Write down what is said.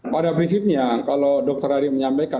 pada prinsipnya kalau dr adi menyampaikan